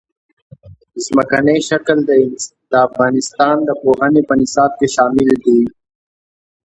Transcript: ځمکنی شکل د افغانستان د پوهنې په نصاب کې شامل دي.